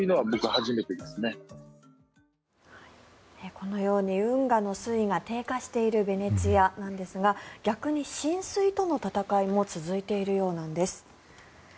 このように運河の水位が低下しているベネチアなんですが逆に浸水との戦いも続いているようなんです。